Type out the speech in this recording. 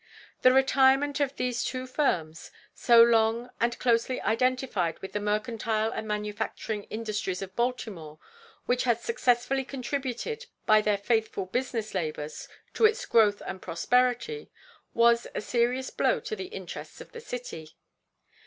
The retirement of these two firms, so long and closely identified with the mercantile and manufacturing industries of Baltimore, which had successfully contributed by their faithful business labors to its growth and prosperity, was a serious blow to the interests of the city.